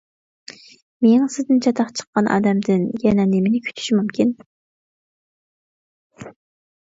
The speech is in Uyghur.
مېڭىسىدىن چاتاق چىققان ئادەمدىن يەنە نېمىنى كۈتۈش مۇمكىن!